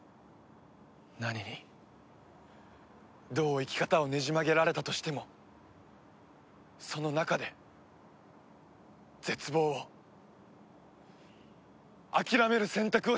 何にどう生き方をねじ曲げられたとしてもその中で絶望を諦める選択をしたのはお前だ！